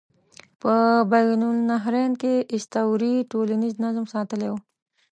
په بین النهرین کې اسطورې ټولنیز نظم ساتلی و.